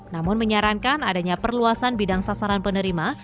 namun menyarankan adanya perluasan bidang sasaran penerima